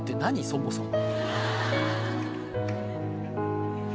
そもそも。